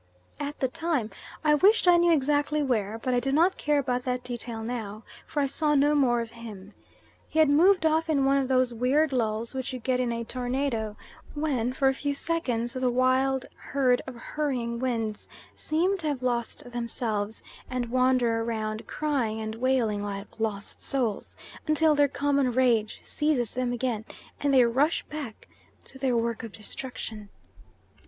At the time I wished I knew exactly where, but I do not care about that detail now, for I saw no more of him. He had moved off in one of those weird lulls which you get in a tornado, when for a few seconds the wild herd of hurrying winds seem to have lost themselves, and wander round crying and wailing like lost souls, until their common rage seizes them again and they rush back to their work of destruction.